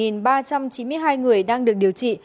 bốn mươi bảy ba trăm chín mươi hai người đang được điều trị